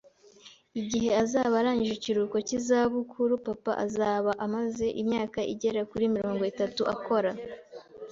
Igihe azaba arangije ikiruhuko cy'izabukuru, papa azaba amaze imyaka igera kuri mirongo itatu akora.